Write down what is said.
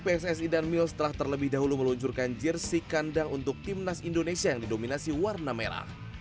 pssi dan mils telah terlebih dahulu meluncurkan jersi kandang untuk timnas indonesia yang didominasi warna merah